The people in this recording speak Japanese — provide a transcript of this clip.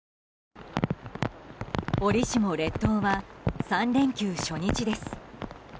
折しも列島は３連休初日です。